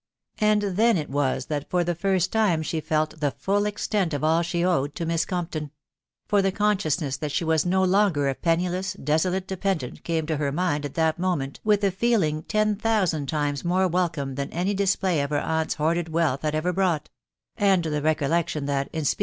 ..., And then it wan that, for the hrst time,, she mft the fill, extent of all she owed' to Miss CompeoiL; for the conscious ness: mat she was no longer a pennykasy desolate dependant, came to her mind at that moment with a feeling ten thousand times more welcome than, any display of her aunt's hoarded wealth had ever brought ; and the recollection, that, in sveak f p 4 440 THE WIDOW BABXABY.